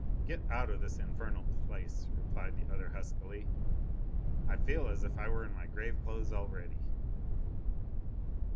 "Get out of this infernal place," replied the other huskily. "I feel as if I were in my grave clothes already."